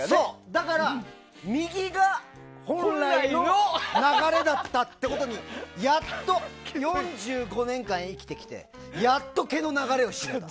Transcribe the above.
だから、右が本来の流れだったってことに４５年間生きてきてやっと、毛の流れを知れた。